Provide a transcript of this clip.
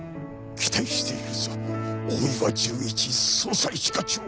期待しているぞ大岩純一捜査一課長。